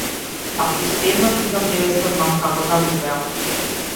Ако уште еднаш бидам невеста, знам како да гувеам.